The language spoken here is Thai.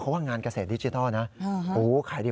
เพราะว่างานเกษตรดิจิทัลนะ